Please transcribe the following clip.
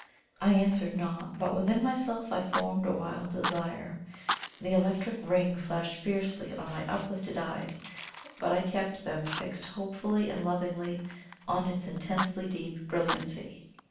I answered not, but within myself I formed a wild desire. The Electric Ring flashed fiercely on my uplifted eyes, but I kept them fixed hopefully and lovingly on its intensely deep brilliancy.